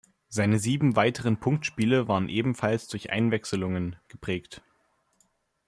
Seine sieben weiteren Punktspiele waren ebenfalls durch Einwechslungen geprägt.